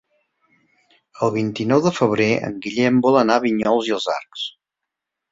El vint-i-nou de febrer en Guillem vol anar a Vinyols i els Arcs.